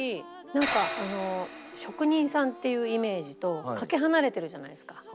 なんか職人さんっていうイメージとかけ離れてるじゃないですか。